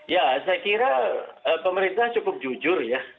ya saya kira pemerintah cukup jujur ya